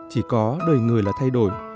chỉ có đời người là thay đổi